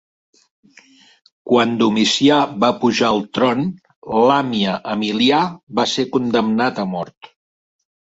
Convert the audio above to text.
Quan Domicià va pujar al tron Làmia Emilià va ser condemnat a mort.